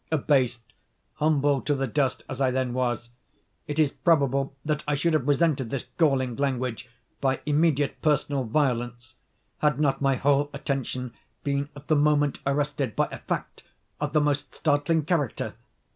Abased, humbled to the dust as I then was, it is probable that I should have resented this galling language by immediate personal violence, had not my whole attention been at the moment arrested by a fact of the most startling character.